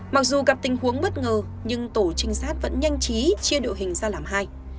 mặc dù gặp tình huống bất ngờ nhưng tổ trinh sát vẫn nhanh chí chia đội hình ra làm hai